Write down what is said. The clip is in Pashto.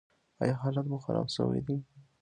ایا حالت مو خراب شوی دی؟